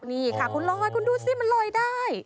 นี่ค่ะคุณลอยคุณดูสิมันลอยได้